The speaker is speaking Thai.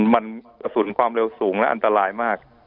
มันกระสุนความเร็วสูงและอันตรายมาก